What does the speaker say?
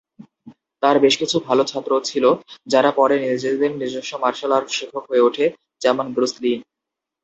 তার বেশ কিছু ছাত্র ছিল যারা পরে তাদের নিজস্ব মার্শাল আর্ট শিক্ষক হয়ে ওঠে, যেমন ব্রুস লি।